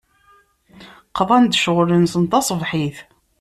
Qḍan-d ccɣel-nsen taṣebḥit.